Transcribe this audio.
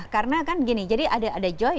karena kan gini jadi ada joy